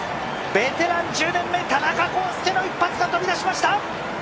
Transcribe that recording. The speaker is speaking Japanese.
ベテラン１０年目、田中広輔の一発が飛び出しました。